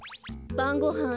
ばんごはん